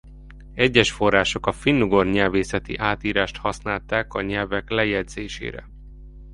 Egyes források a finnugor nyelvészeti átírást használták a nyelvek lejegyzésére.